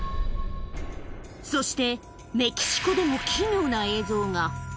そして、メキシコでも奇妙な映像が。